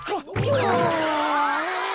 うわ。